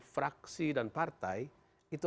fraksi dan partai itu